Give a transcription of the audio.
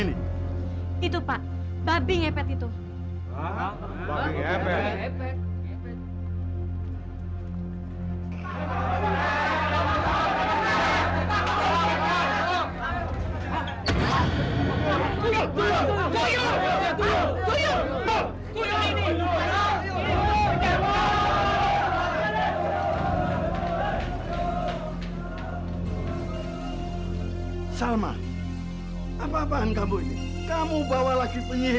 sekarang dia udah mulai masuk rumah